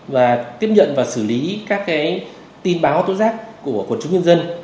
và tiếp nhận và xử lý các tin báo tố giác của quận trung nhân dân